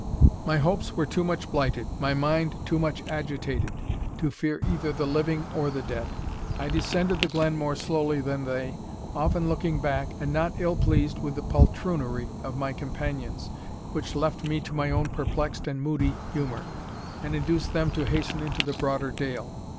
My hopes were too much blighted, my mind too much agitated, to fear either the living or the dead. I descended the glen more slowly than they, often looking back, and not ill pleased with the poltroonery of my companions, which left me to my own perplexed and moody humour, and induced them to hasten into the broader dale.